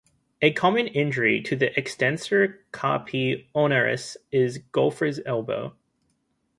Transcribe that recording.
A common injury to the extensor carpi ulnaris is golfer's elbow.